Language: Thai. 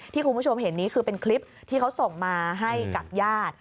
คุณผู้ชมเห็นนี้คือเป็นคลิปที่เขาส่งมาให้กับญาติ